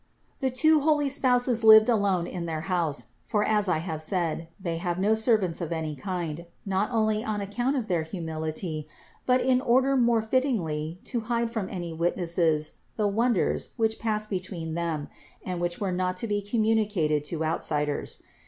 423. The two holy spouses lived alone in their house, for as I have said, they had no servants of any kind, not only on account of their humility, but in order more fittingly to hide from any witnesses the wonders, which passed between them and which were not to be communi cated to outsiders.